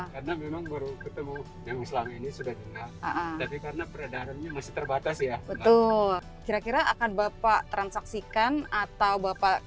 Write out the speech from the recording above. karena peradarannya masih terbatas ya betul kira kira akan bapak transaksikan atau bapak